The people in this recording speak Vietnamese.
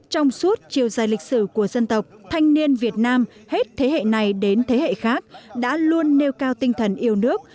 trong suốt chiều dài lịch sử của dân tộc thanh niên việt nam hết thế hệ này đến thế hệ khác